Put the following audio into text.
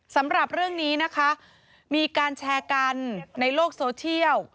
สำหรับเรื่องนี้นะคะมีการแชร์กันในโลกโซเชียล